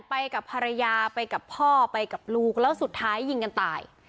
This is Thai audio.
ไปกับภรรยาไปกับพ่อไปกับลูกแล้วสุดท้ายยิงกันตาย